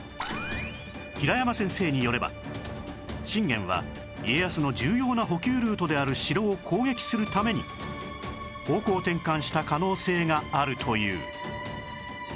平山先生によれば信玄は家康の重要な補給ルートである城を攻撃するために方向転換した可能性があるという